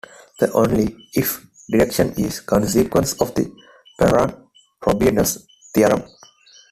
The "only if" direction is a consequence of the Perron-Frobenius theorem.